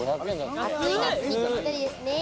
暑い夏にぴったりですね。